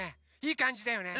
いいかんじだよね。